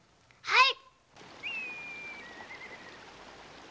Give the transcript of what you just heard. はい。